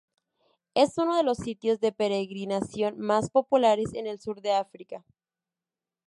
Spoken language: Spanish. Es uno de los sitios de peregrinación más populares en el sur de África.